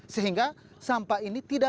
sehingga sampah ini terlihat lebih baik